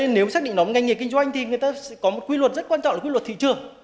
nếu xác định nóng ngành nghề kinh doanh thì người ta sẽ có một quy luật rất quan trọng là quy luật thị trường